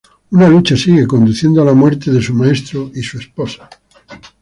Una lucha sigue, conduciendo a la muerte de su maestro y su esposa.